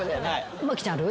麻貴ちゃんある？